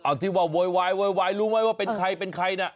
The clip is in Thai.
อ้าวที่ว่าโวยรู้ไหมว่าเป็นใครเป็นใครนะ